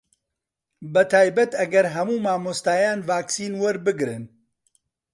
بەتایبەت ئەگەر هەموو مامۆستایان ڤاکسین وەربگرن